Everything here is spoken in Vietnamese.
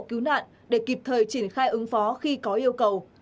cứu nạn để kịp thời triển khai ứng phó khi có yêu cầu